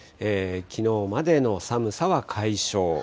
きのうまでの寒さは解消。